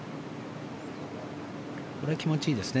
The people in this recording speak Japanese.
これは気持ちいいですね。